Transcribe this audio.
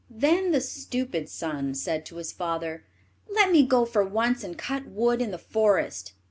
Then the stupid son said to his father, "Let me go for once and cut wood in the forest."